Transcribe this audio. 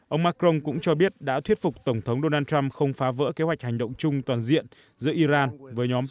ông macron cũng cho biết đã thuyết phục tổng thống donald trump không phá vỡ kế hoạch hành động chung toàn diện giữa iran với nhóm p năm một